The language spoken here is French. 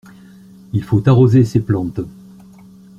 Il faut arroser ces plantes.